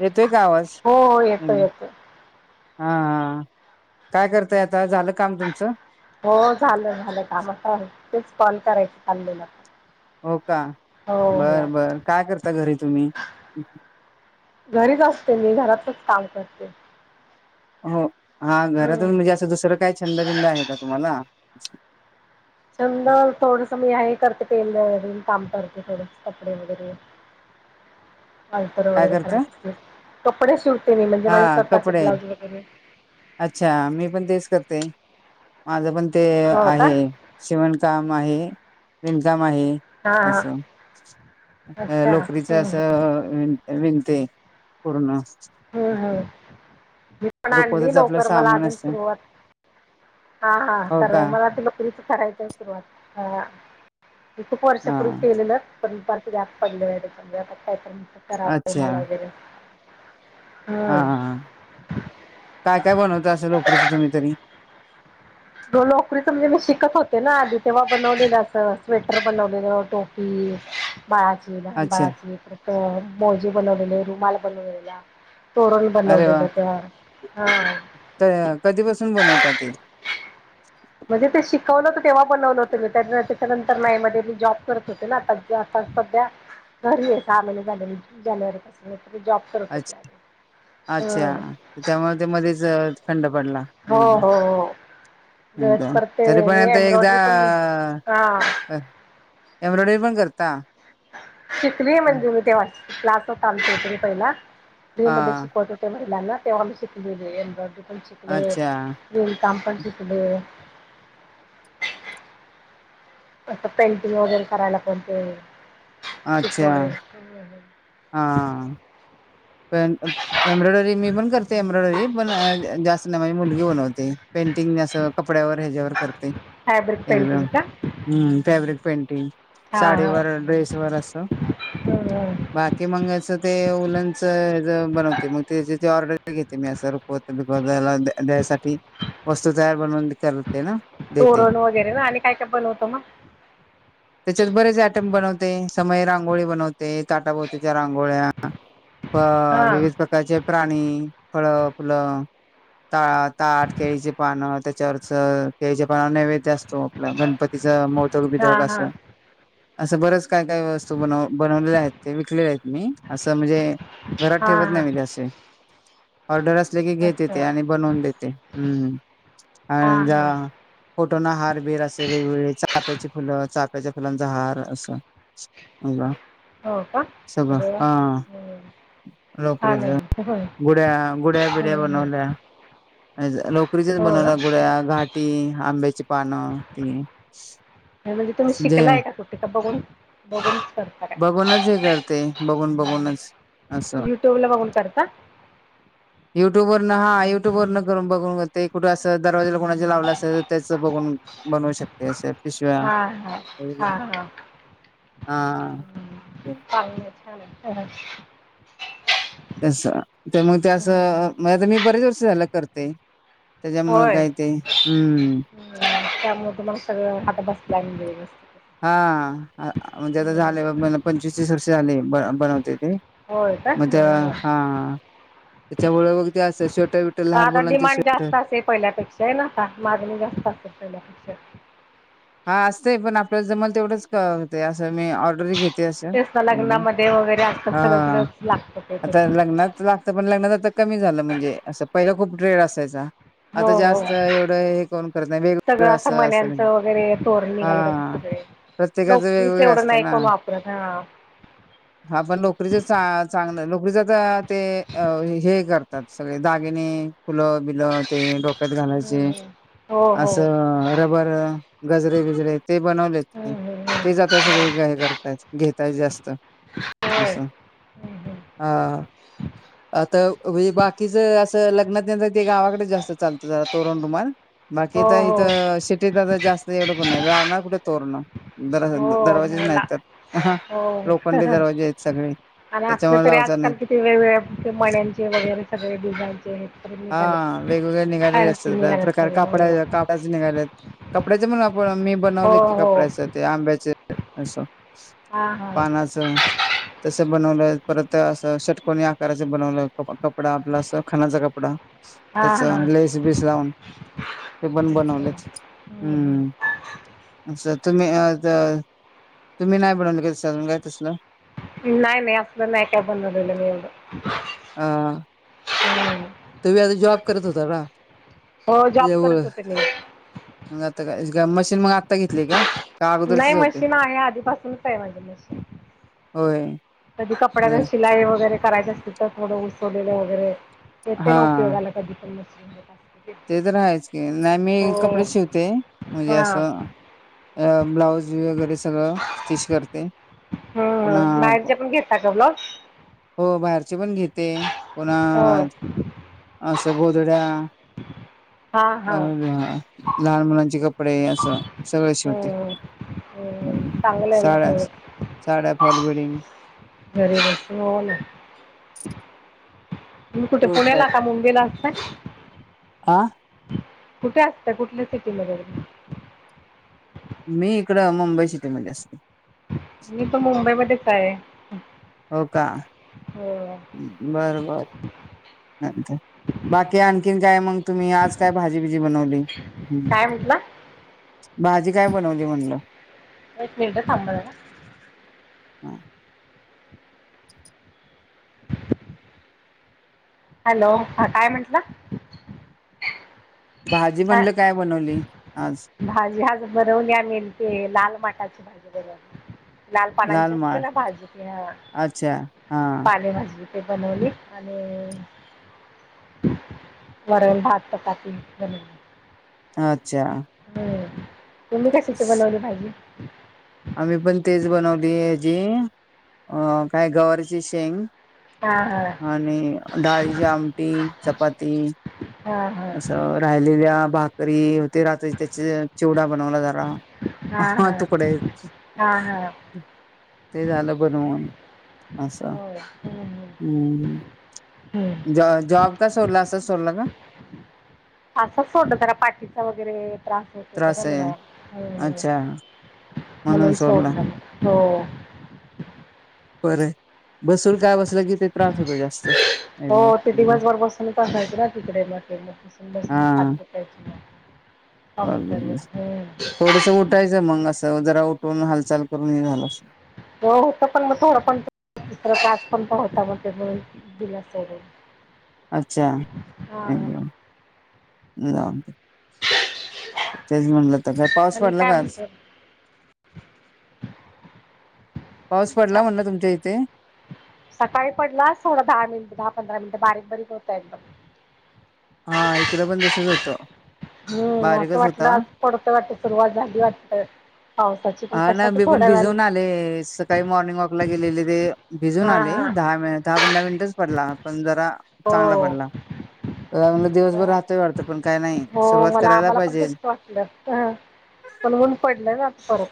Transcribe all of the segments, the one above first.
येतोय का आवाज? हो हो हा येतो येतो हा काय करतय आता, झालं काम तुमचं? हो झालं झालं काम आता, तेच कॉल करायच चालेलं. हो का? बर बर, काय करता घरी तुम्ही? घरीच असते मी घरातलच काम करते. हो, हा हम्म घरातून म्हणजे असं दुसरं काय छंदबिंद आहे का तुम्हाला? छंद थोडसं मी आहे करते टेलरिंग काम करते, थोडं कपडे वगैरे. [inaudible] अल्टर काय वगैरे करता करायचे असतील, कपडे शिवते मी म्हणजे हा माझे स्वतःचे कपडे ब्लाऊज वगैरे. अच्छा! मी पण तेच करते, माझं पण ते हो का आहे. शिवणकाम आहे विणकाम आहे. हा हा असं, अ अच्छा लोकरीचं हम्म असं विनते पूर्ण. हम्म हम्म मी पण आणली रुखवताच आपलं लोकर मला सामान अजून असत सुरुवात, हा हा हो का तर मला ती लो करीचं करायचंय सुरुवात, अ मी खूप हा वर्षापूर्वी केलेलं. [unintelligible] पडले त्याच्यामुळे आता तोपर्यंत करावं अच्छा रुमाल वैगेरे. हा हम्म. हा हा. काय काय बनवता असं लोकरीचं तुम्ही तरी? लोकरीचं म्हणजे मी शिकत होते ना आधी तेव्हा बनवलेलं असं स्वेटर बनवलेलं टोपी बाळाची लहान अच्छा बाळाची, परत अ मोजे बनवलेले, रुमाल बनवलेला. तोरण अरे वा बनवलेलं तयार, हा. तर कधीपासून बनवतात ते? म्हणजे ते शिकवलं होतं तेव्हा बनवलं होतं मी, त्या त्याच्यानंतर नाही मध्ये मी जॉब करत होते ना आता. म्हणजे आता सध्या घरी आहे सहा महिने झालं मी जानेवारी पासनं, घरी जॉब करत अच्छ होते आधी अच्छा, हम्म त्यामुळे ते मध्येच अ थंड पडलं. हो हो हो. द परत ते तरी पण हे आता एकदा एम्ब्रॉयडरी पण मी हा अ एम्ब्रॉयडरी पण करता? शिकलीए म्हणजे मी तेव्हाच, क्लास होता आमच्या इकडे पहिला फ्री मध्ये हा शिकवत ते महिलांना, तेव्हा मी शिकलेलीय एम्ब्रोयडरी पण शिकले, अच्छा विणकाम पण शिकले. आता पेंटिंग वगैरे करायला पण ते अच्छा शिकवले [unintelligible] हा. पण एम्ब्रॉयडरी मी पण करते एम्ब्रॉयडरी, अ पण जास्त नाय माझी मुलगी बनवते. पेंटिंग असं कपड्यावर ह्याच्यावर करते. फॅब्रिक एकदम पेंटिंग का? हम्म, फॅब्रिक पेंटिंग हा साडीवर ड्रेसवर असं. हा बाकी मग असं ते वुलनचं ह्याचं बनवते, मग त्याची ती ऑर्डर घेते मी असं [unintelligible] बघायला द्या द्यायसाठी, वस्तू तयार बनवून [unintelligible] देते तोरण वगैरे ना आणि काय काय बनवतो मग? [inaudible] त्याच्यात बरेच आयटम बनवते, समय रांगोळी बनवते, ताटाभोवतीच्या रांगोळ्या. अ हा विविध प्रकारचे प्राणी, फळं, फुलं. ता ताट केळीचे पानं त्याच्यावरचं केळीचे पाना नै द असतो आपला गणपतीचा मोदक हा बिदक हा असं. असं बरंच काय काय वस्तू बनव बनवलेल्या आहेत ते विकलेले आहेत मी, असं म्हणजे घरात हा ठेवत हा नाही मी म्हणहे अशे ऑर्डर असले की घेते ते अच्छा आणि बनवून देते, हम्म हा आणि जा हा फोटोना हार बिर असे वेगवेगळे चाप्याची फुलं चाप्याच्या फुलांचा हार असं. हो का सगळं अरे वा हा. छान लोकरीचं, आहे गुड्या गुड्या, बिड्या हम्म हम्म बनवल्या अज लोकरीचेच हो ना बनवल्या गुड्या, घाटी, आंब्याची पानं ती नाही म्हणजे, तुम्ही शिकलाय का कुठ का बघून बघून कर बघूनच हे करते, बघून बघूनच असं युट्यूबला बघून करता युट्युबवरनं हा युट्यूबवरनं करून बघून करते, कुठं असं दरवाजाला कोणा लावलं असेल तर त्याच बघून बनवू शकते, असे पिशव्या हा हा हा हा हा चांगलं आहे, छान आहे. तस तर मग ते हम्म असं, मग आता मी बरेच वर्ष झालं करते. त्याच्यामुळं होय काय ते, हम्म त्यामुळे तुम्हाला सगळं हात बसलाय म्हणलं वेवस्तीत हा, आ म्हणजे आता झाले, मला पंचवीस तीस वर्ष झाले ब बनवते मी होय का मग त्या हा हा त्याच्यामुळे मग ते असं, स्वेटर बिटर लहान मुलांचे स्वे तास आहे पहिल्यापेक्षा हे ना आता, माझं बी जास्त असत पहिल्यापेक्षा हा असतय, पण आपल्याला जमल तेवढंच करते असं मी, ऑर्डरी घेते असं तेच ना एकदम, लग्नामध्ये वगैरे आजकाल हा सगळीकडेच लागतं ते आता तसं लग्नात लाग पण लग्नात आता कमी झालं, म्हणजे असं पहिला खूप ट्रेड असायचा आता हो हो जास्त एवढं हे कोण करत नाही, वेगवेगळं असं अस क नाही. वगैेरे तोर हा, प्रत्येकाच वेगवेगळ एवढं असत नाही ना. कोण वापरत हा. हा पण लोकरीचच चा, चांगलं लोकरीचच ते हे करतात सगळे दागिने फुलं बिलं ते डोक्यात घालायचे, हो हो असं रबर गजरे बिजरे ते बनवलेत मी, हम्म हम्म तेच आता सगळे हम्म हे करतायत घेता आहेत जास्त होय. असं, हा. आता व बाकीचं असं लग्नात नाहीतर ते गावाकडच जास्त चालतं ते तोरण रुमाल. बाकी हो आता हो इथं सिटीत आता जास्त एवढं कोण नाही, लावणार कुठे तोरणं? दर हो दरवाजेच नाही मला तर, हा हो. लोखंडी दरवाजे आहेत सगळे. त्याच्यामुळे लावता नाही येत. ते वेगवेगळ्या ते मण्यांचे वगैरे सगळे डिझायनचे हा, वेगवेगळे निघालेले असतात त्या निघाल्यात प्रकार सगळे कापड हो का डाचं निघाल्यात, कपड्याचं पण आपण मी हो बनवले की हो कपड्याच ते आंब्याचे असं हा हा पानाचं. तसं बनवलंय परत असं षटकोणी आकाराचं बनवलं, कपडा आपलं असं खणाचा कप पडा. हा हा. त्याचं लेस बीस लावून, ते पण बनवलेत हम्म. असं तुम्ही अ त, तुम्ही नाही बनवलं का अजून काय तसलं? नाही नाही असलं नाही काय बनवलेलं मी एवढं. अ. हम्म. तुम्ही आता जॉब करत होता का? हो जॉब करत होते मी. म आता काय मशीन मग आ आता घेतली का? का नाही अगोदरचेच होते? मशीन आहे आधीपासूनच आहे माझी मशीन होय. कधी कपड्याला शिलाई वगैरे करायचं असली तर थोडं उसवलेलं वगैरे. येते ना हा उपयोगाला कधी पण मशीन [unintelligible] ते तर हायच की, नाही मी हो कपडे शिवते, म्हणजे हा असं अ ब्लाऊज वगैरे सगळं स्टिच करते. हं पुन्हा बाहेरच्या पण घेता का ब्लाऊज? हो बाहेरचे पण घेते, हो पुन्हा असं गोधड्या हा अ हा ह लहान मुलांचे कपडे असं सगळ शिवते. हम्म हम्म चांगलं आहे ना ते साळस साड्या फॉलबिडिंग [unintelligible] तुम्ही कुठं हो पुण्याला का मुंबईला असताय? आं कुठे असता, कुठल्या सिटीमध्ये मी इकड मुंबई सिटीमध्ये असते. मी पण मुंबईमध्येच आहे. हो का हो बरबर चालतंय बाकी आणखीन काय मंग तुम्ही, आज काय भाजीबिजी बनवली? काय म्हटला भाजी काय बनवली म्हणलं. एक मिनिट थांबा जरा. हम्म हॅलो, ह काय म्हंटला भाजी हा म्हणलं काय बनवली, आज भाजी आज बनवल्या आमी ती, लाल माटाची भाजी बनवली. लाल पानांची असते ना भाजी ती, अं अच्छा हा पालेभाजी ती बनवली आणि वरण भात चपाती बनव अच्छा हम्म, तुम्ही कशाची बनवली भाजी? आम्ही पण तेच बनवली हेची, अ काय गवारीची शेंग हा हा आणि डाळीची आमटी, चपाती हा हा असं राहिलेल्या भाकरी होते रात्रीची, त्याचे चिवडा बनवला जरा. हा तूकडे हा हा ते झालं बनवून, असं होय हम्म हम्म हम्म ज जॉब का सोडला असं सोडला का? आसच सोडलं, जरा पाठीचा वगैरे त्रास होत होता ना त्रास आहे मला, हं अच्छा म्हणून सोडला मी हो बरं आहे, बसून काय बसलं की ते त्रास होतो जास्त हो एकदम ते एकदम दिवसभर बसूनच असायचं ना तिकडे, म ते मग बसून बसून खा [unintelligible] अ थोडसं उठायचं, मंग असं जरा उठून हालचाल करून, हे झालं असं [unintelligible] [unintelligible] अच्छा, हा जाऊंदे तेच म्हणलं तर, काय पाऊस आणि पडला काय का आज? म्हणतात पाऊस पडला म्हणलं तुमच्या इथे सकाळी पडला थोडा दहा मिनिट, दहा पंधरा मिनिट बारीक बारीक होता एकदम. हा, इकडं पण तसच होतं. हम्म असं बारीकच वाटलं, होता. आज पडतोय वाटतं, सुरुवात झाली वाटतं. पावसाची पण कशाचं थोडं याल ले, स काही मॉर्निंग वॉकला गेलेले, ते भिजून हा आले, हा दहा दहा पंधरा मिनिटच पडला, पण जरा हो ला दिवसभर राहतोय वाढतं पण काय नाही सुरुवात करायला पाहिजे. हं पण ऊन पडलं ना आता परत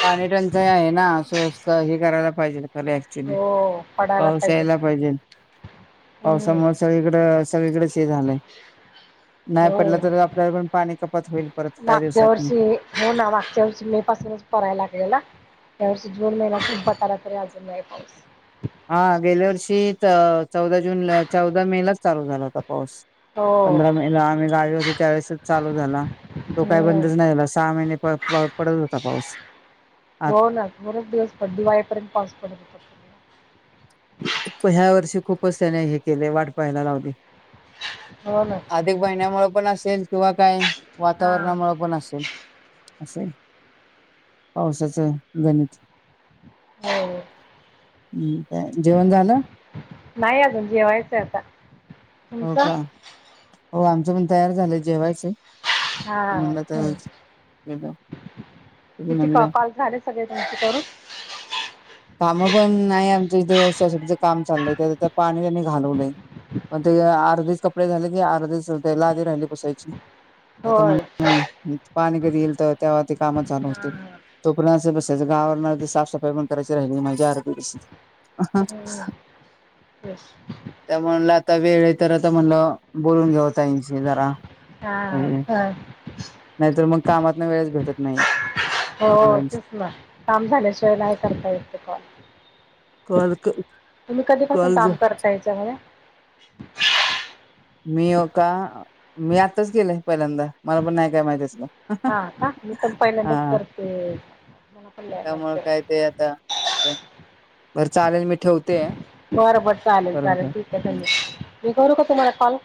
पाणी टंचाई आहे ना असं हे करायला पाहिजे. खरंय ऍक्च्युली हो पडायला पाऊस पाहिजेत यायला पाहिजे. हम्म पावसामुळे सगळीकडे सगळीकडे ते झालंय नाही हो पडलं तर आपल्याला पण पाणी कपात होईल परत काही मागच्या दिवसांनी वर्षी हो ना मागच्या मे पासूनच परायला लागेला त्या वर्षी जोन महिना खूप बटाराकरी अजून पाऊस हा गेल्या वर्षी चौदा जूनला चौदा मे लाच चालू झाला होता पाऊस हो पंधरा मे ला आम्ही गाडी असतू त्यावेेळेसच चालू झाला. तो काय हम्म बंदच नाही आला सहा महिने पडत होता पाऊस आ हो ना पुरच दिवस पड वायापर्यंत पास पडत हो. ह्या वर्षी खूपच त्याने हे केले वाट पाहायला लावली. हो ना. अधिक महिन्यामु पण असेल किंवा काय हा वातावरणामुळे पण असेल. असे पावसाचं गणित हो. हम्म, जेवण झालं? नाही अजून जेवायचंय आता हो तुमचं का हो आमचं पण तयार झालंय जेवायचं हा म्हणलं तर हम् तिथे म्हणलं कपाल झाले. सगळे तुम करून कामं पण नाही आमच इथे शसाचं काम चाललंय त्या पाणी त्यांनी घालवलंय. मग ते अर्धीच कपडे झाले की अर्धीच त्याला आधी राहिली बसायची आता म्हण. होय पाणी कधी येईल तर ते्हा ते काम चालू हा होतील तो पण बसचं गावा साफसफाई पण करायची राहिली माझ्या आरती येस. त्या म्हणलं आता वेळ तर आता म्हणलं बोलून घेऊता येशी जरा हा का? नाहीतर मग कामातन वेळच भेटत नाहीेत. हो तेच ना काम झाल्याशिवाय नाही सारता य ते कॉण कॉल तुम्ही कधीपासून कॉल काम करता याच्यामध्ये मी हो का मी आत्ताच गेले पहिल्यांदा मला पण नाही काय माहितीच का? हा का मी पण पहिल्यांदाच करते. म्हपल्या त्यामुळे नाहीत. काय ते आता बर चालेल मी ठेवते बरोबर चालेल चालेल त बरोबर मी करू का तुम्हाला कॉल?